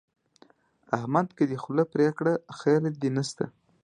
احمد ده که دې خوله پرې کړه؛ خير دې نه شته.